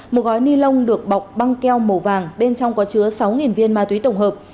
một gói ni lông được bọc băng keo màu vàng bên trong có chứa sáu viên ma túy tổng hợp